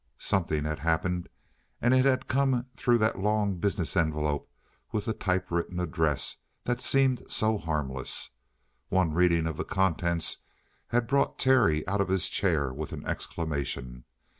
Something had happened, and it had come through that long business envelope with the typewritten address that seemed so harmless. One reading of the contents had brought Terry out of his chair with an exclamation.